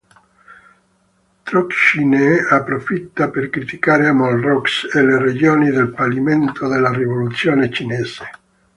Trockij ne approfitta per criticare Malraux e le ragioni del fallimento della rivoluzione cinese.